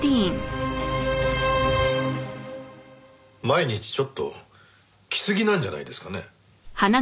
毎日ちょっと来すぎなんじゃないですかね？